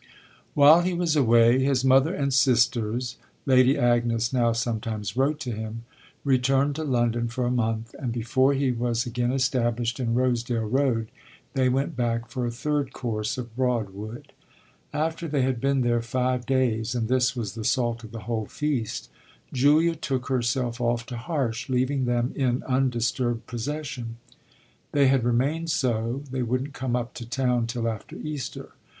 While he was away his mother and sisters Lady Agnes now sometimes wrote to him returned to London for a month, and before he was again established in Rosedale Road they went back for a third course of Broadwood. After they had been there five days and this was the salt of the whole feast Julia took herself off to Harsh, leaving them in undisturbed possession. They had remained so they wouldn't come up to town till after Easter.